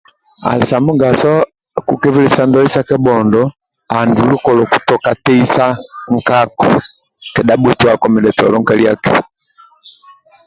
Ali sa mugaso kwekebelisa bulwaye sa kabhondo andulu kolokutoka teisa nkako kedha bhotuko mindietolo nkaliaki